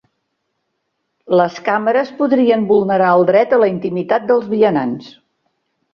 Les càmeres podrien vulnerar el dret a la intimitat dels vianants